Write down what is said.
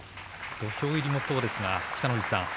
土俵入りもそうですが北の富士さん